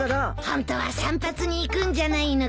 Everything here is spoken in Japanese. ホントは散髪に行くんじゃないのか？